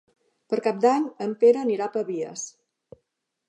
Per Cap d'Any en Pere anirà a Pavies.